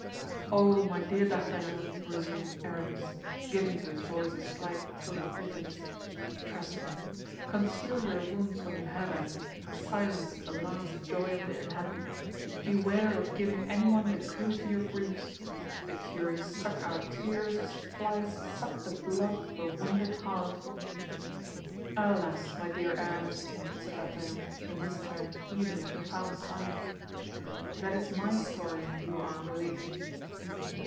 Oh, my dear D'Artagnan," resumed Aramis, giving to his voice a slight tone of bitterness, "trust me! Conceal your wounds when you have any; silence is the last joy of the unhappy. Beware of giving anyone the clue to your griefs; the curious suck our tears as flies suck the blood of a wounded hart." "Alas, my dear Aramis," said D'Artagnan, in his turn heaving a profound sigh, "that is my story you are relating!"